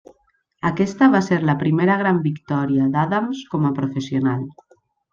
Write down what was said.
Aquesta va ser la primera gran victòria d'Adams com a professional.